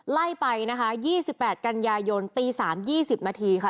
ไล่ไปนะคะ๒๘กันยายนตี๓๒๐นาทีค่ะ